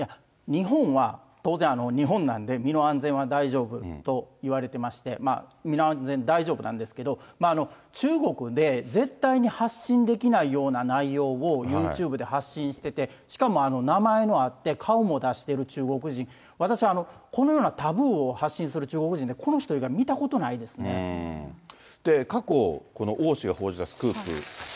日本は当然、日本なので身の安全は大丈夫といわれてまして、身の安全、大丈夫なんですけれども、中国で絶対に発信できないような内容をユーチューブで発信してて、しかも名前もあって、顔も出してる中国人、私、このようなタブーを発信する中国人って、この人以外見たことない過去、この王氏が報じたスクープなんですが。